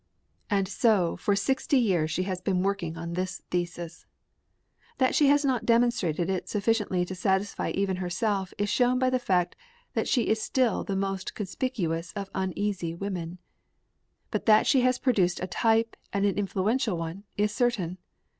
And so for sixty years she has been working on this thesis. That she has not demonstrated it sufficiently to satisfy even herself is shown by the fact that she is still the most conspicuous of Uneasy Women. But that she has produced a type and an influential one is certain.